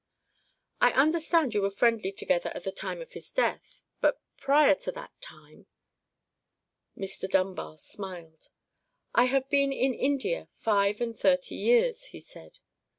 "I understand you were friendly together at the time of his death; but prior to that time——" Mr. Dunbar smiled. "I have been in India five and thirty years," he said.